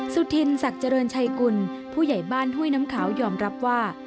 สุธินศักดิ์เจริญชัยกุลผู้ใหญ่บ้านห้วยน้ำขาวยอมรับว่า